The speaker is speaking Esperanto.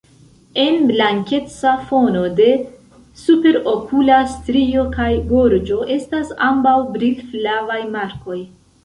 En blankeca fono de superokula strio kaj gorĝo estas ambaŭ brilflavaj markoj.